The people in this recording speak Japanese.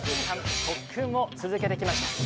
特訓を続けてきました。